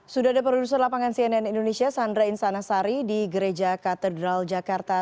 sudah ada produser lapangan cnn indonesia sandra insanasari di gereja katedral jakarta